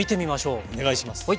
お願いします。